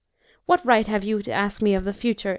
" What right have you to ask me of the future